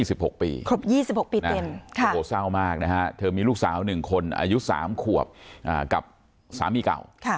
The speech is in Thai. ครบ๒๖ปีเต็มโหเศร้ามากนะฮะเธอมีลูกสาว๑คนอายุ๓ขวบกับสามีเก่า